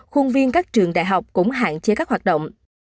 khuôn viên các trường đại học cũng hạn chế các hoạt động